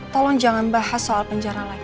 tolong jangan bahas soal penjara lagi